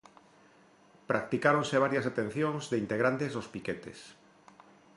Practicáronse varias detencións de integrantes dos piquetes.